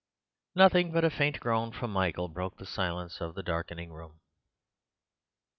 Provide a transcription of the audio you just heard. Nothing but a faint groan from Michael broke the silence of the darkening room.